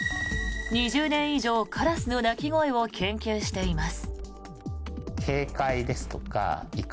２０年以上、カラスの鳴き声を研究しています。